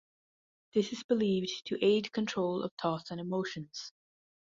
This is believed to aid control of thoughts and emotions.